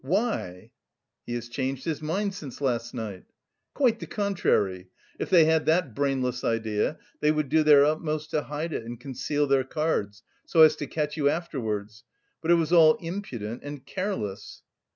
Why?" "He has changed his mind since last night." "Quite the contrary! If they had that brainless idea, they would do their utmost to hide it, and conceal their cards, so as to catch you afterwards.... But it was all impudent and careless."